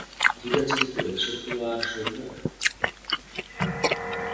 ঠিক আছে কিন্তু এক সপ্তাহ আর সোমবার।